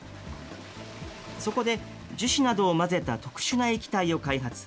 そこで樹脂などを混ぜた特殊な液体を開発。